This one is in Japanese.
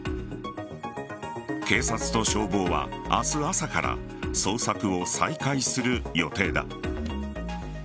警察と消防は明日朝から捜索を再開する予定だ。